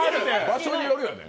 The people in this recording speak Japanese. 場所によるよね。